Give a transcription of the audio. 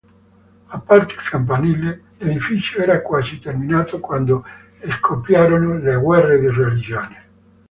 A parte il campanile, l'edificio era quasi terminato quando scoppiarono le guerre di religione.